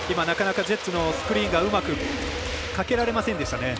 なかなかジェッツのスクリーンがうまくかけられませんでした。